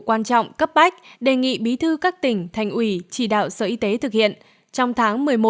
quan trọng cấp bách đề nghị bí thư các tỉnh thành ủy chỉ đạo sở y tế thực hiện trong tháng